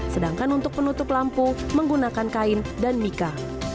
sedangkan untuk penutup lampu menggunakan kain dan mika